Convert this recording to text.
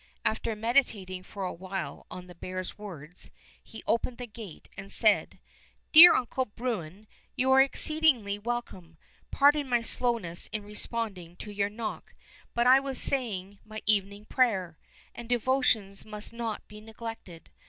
After meditating for a while on the bear's words he opened the gate and said: ''Dear Uncle Bruin, you are exceed ingly welcojne. Pardon my slowness in re sponding to your knock, but I was saying my evening player, and devotions must not be neglected.